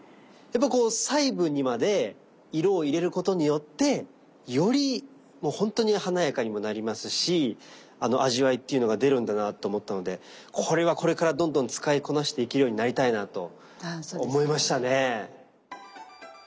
やっぱこう細部にまで色を入れることによってより本当に華やかにもなりますし味わいっていうのが出るんだなと思ったのでこれはこれからどんどん使いこなしていけるようになりたいなと思いましたね。